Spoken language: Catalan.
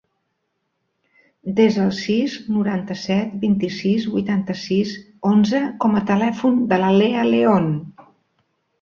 Desa el sis, noranta-set, vint-i-sis, vuitanta-sis, onze com a telèfon de la Leah Leon.